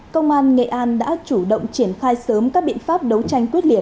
công an nghệ an đã chủ động triển khai sớm các biện pháp đấu tranh quyết liệt